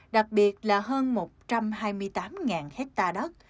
đặc biệt là hơn một trăm hai mươi tám hectare đất